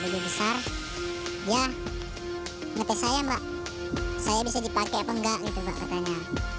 dia ngetes saya mbak saya bisa dipakai apa enggak gitu mbak katanya